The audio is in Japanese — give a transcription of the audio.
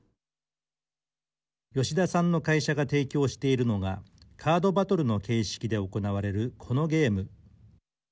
吉田さんの会社が提供しているのがカードバトルの形式で行われるこのゲーム。